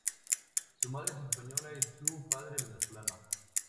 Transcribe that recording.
Su madre es española y su padre, venezolano.